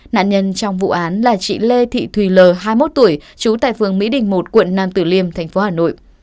nạn nhân trong vụ án là chị lê thị thùy lờ hai mươi một tuổi trú tại phường mỹ đình một quận nam tử liêm tp hà nội